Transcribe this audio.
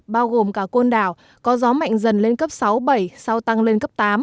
bao gồm cả côn đảo có gió mạnh dần lên cấp sáu bảy sau tăng lên cấp tám